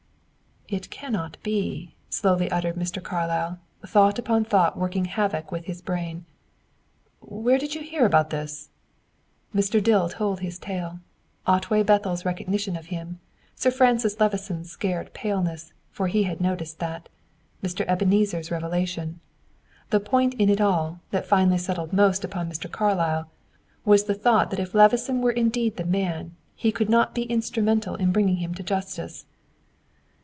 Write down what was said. "It cannot be!" slowly uttered Mr. Carlyle, thought upon thought working havoc with his brain. "Where did you hear this?" Mr. Dill told his tale. Otway Bethel's recognition of him; Sir Francis Levison's scared paleness, for he had noticed that; Mr. Ebenezer's revelation. The point in it all, that finally settled most upon Mr. Carlyle, was the thought that if Levison were indeed the man, he could not be instrumental in bringing him to justice.